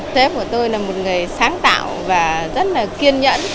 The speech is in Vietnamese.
tết của tôi là một người sáng tạo và rất là kiên nhẫn